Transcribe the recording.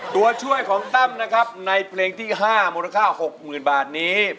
ตัวช่วยของตั้มนะครับในเพลงที่๕มูลค่า๖๐๐๐บาทนี้